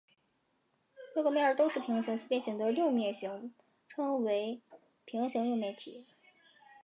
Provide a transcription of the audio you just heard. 六个面都是平行四边形的六面体称为平行六面体。